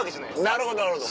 なるほどなるほど。